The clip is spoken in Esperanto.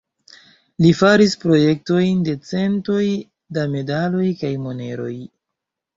Li faris projektojn de centoj da medaloj kaj moneroj.